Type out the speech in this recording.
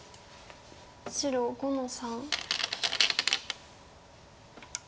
白５の三。